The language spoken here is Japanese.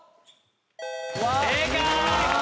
正解！